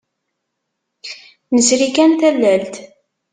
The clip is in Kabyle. Nesri kan tallalt.